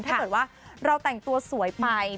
ถ้าเกิดว่าเราแต่งตัวสวยไป